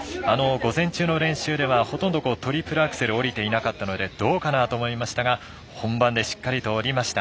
午前中の練習ではほとんどトリプルアクセルを降りていなかったのでどうかなと思いましたが本番でしっかり降りました。